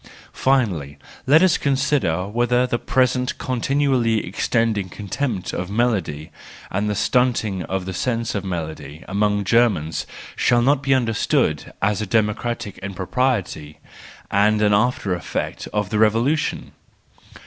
— Finally, let us consider whether the present, continually extending contempt of melody and the stunting of the sense for melody among Germans should not be understood as a democratic impropriety and an after effect of the Revolution?